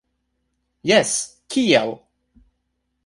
Jes kiel?